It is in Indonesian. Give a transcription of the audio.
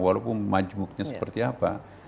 walaupun majmuknya seperti apa